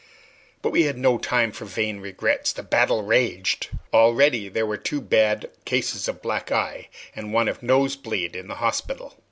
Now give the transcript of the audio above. But we had no time for vain regrets. The battle raged. Already there were two bad cases of black eye, and one of nosebleed, in the hospital.